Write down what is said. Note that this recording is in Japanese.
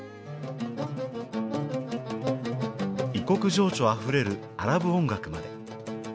異国情緒あふれるアラブ音楽まで。